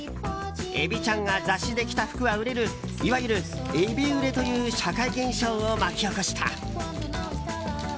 エビちゃんが雑誌で着た服は売れるいわゆるエビ売れという社会現象を巻き起こした。